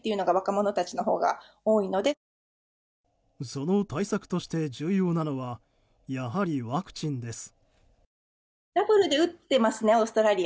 その対策として重要なのはやはりワクチンです。